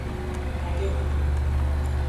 رگ خون